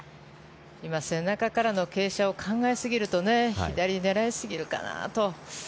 今、背中からの傾斜を考えすぎると左、狙いすぎるかなと。